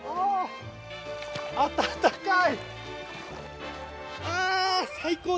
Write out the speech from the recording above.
あ、温かい！